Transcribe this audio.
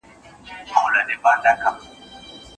د مېړه يا ترپ دى يا خرپ.